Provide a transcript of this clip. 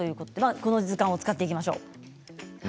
この図鑑を使っていきましょう。